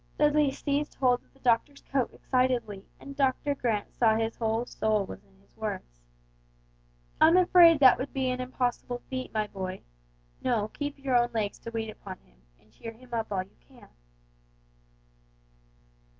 Dudley seized hold of the doctor's coat excitedly, and Doctor Grant saw his whole soul was in his words. "I'm afraid that would be an impossible feat, my boy. No keep your own legs to wait upon him, and cheer him up all you can."